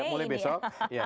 ya mulai besok